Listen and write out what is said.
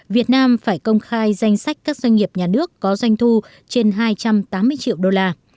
việt nam phải công khai danh sách các doanh nghiệp nhà nước có doanh thu trên hai trăm tám mươi triệu đô la